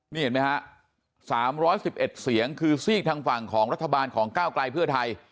นี่เห็นไหมฮะ๓๑๑เสียงคือซีกทางฝั่งของรัฐบาลของก้าวไกลเพื่อไทย